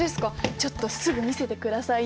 ちょっとすぐ見せてくださいよ。